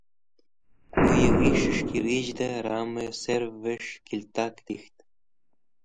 Kuyẽ ghis̃hes̃h ki rizhdẽ ramẽ sarves̃h kiltak dikht.